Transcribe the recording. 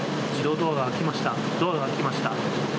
ドアが開きました。